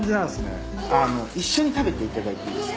一緒に食べていただいていいですか？